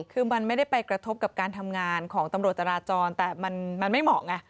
คือมันไม่ได้ไปกระทบกับการทำงานของตำรวจจราจรแต่มันไม่เหมาะไง